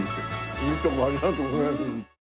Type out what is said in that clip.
いいとこありがとうございます。